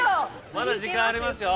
まだ時間ありますよ。